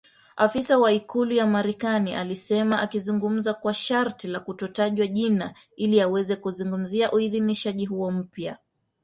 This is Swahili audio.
Afisa wa Ikulu ya Marekani alisema akizungumza kwa sharti la kutotajwa jina ili aweze kuzungumzia uidhinishaji huo mpya.